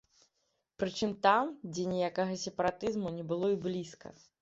Прычым там, дзе ніякага сепаратызму не было і блізка.